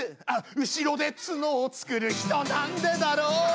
「後ろで角を作る人なんでだろう」